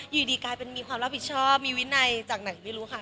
อยู่ดีกลายเป็นมีความรับผิดชอบมีวินัยจากไหนไม่รู้ค่ะ